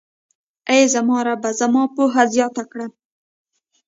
اې زما ربه، زما پوهه زياته کړه.